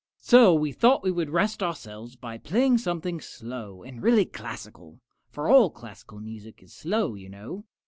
So we thought we would rest ourselves by playing something slow and really classical for all classical music is slow, you know.